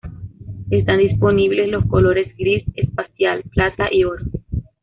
Están disponibles los colores gris espacial, plata y oro.